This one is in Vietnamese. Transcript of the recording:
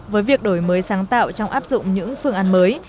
với việc đổi mới sáng tạo trong áp dụng những phương án mới